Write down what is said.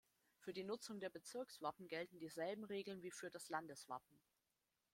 Für die Nutzung der Bezirkswappen gelten dieselben Regeln wie für das Landeswappen.